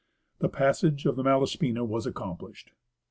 The passage of the Malaspina was accomplished.